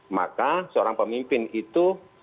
maka seorang pemimpin itu